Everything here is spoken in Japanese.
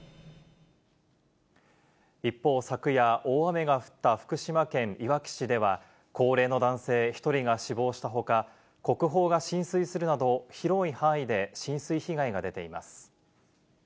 一方、昨夜、大雨が降った福島県いわき市では、高齢の男性１人が死亡したほか、国宝が浸水するなど、広い範囲で浸水被害が出ています。